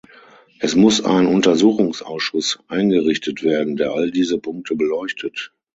Es muss ein Untersuchungsausschuss eingerichtet werden, der all diese Punkte beleuchtet.